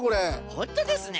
ほんとですね。